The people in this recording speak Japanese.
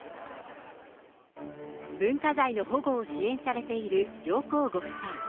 文化財の保護を支援されている上皇ご夫妻。